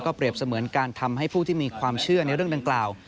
เปรียบเสมือนการทำให้ผู้ที่มีความเชื่อในเรื่องดังกล่าว